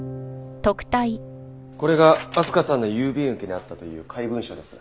これが明日香さんの郵便受けにあったという怪文書です。